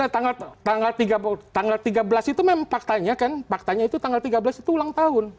tanggal tiga belas itu memang faktanya kan faktanya itu tanggal tiga belas itu ulang tahun